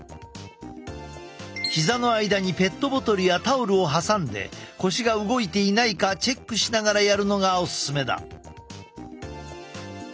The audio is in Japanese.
膝の間にペットボトルやタオルを挟んで腰が動いていないかチェックしながらやるのがオススメだ。